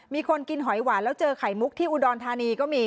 มีคนกินหอยหวานแล้วเจอไข่มุกที่อุดรธานีก็มี